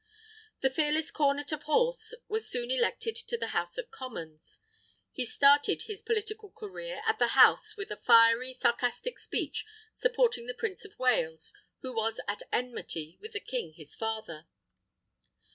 The fearless Cornet of Horse was soon elected to the House of Commons. He started his political career in the House with a fiery, sarcastic speech supporting the Prince of Wales, who was at enmity with the King his father.